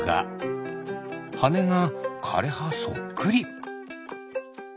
はねがかれはそっくり。